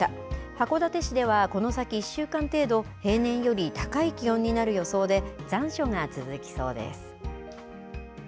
函館市ではこの先１週間程度、平年より高い気温になる予想で、残暑が続きそうです。